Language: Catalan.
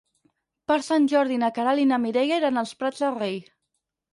Per Sant Jordi na Queralt i na Mireia iran als Prats de Rei.